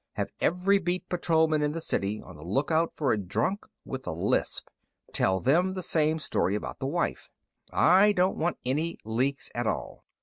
Have every beat patrolman in the city on the lookout for a drunk with a lisp, but tell them the same story about the wife; I don't want any leaks at all.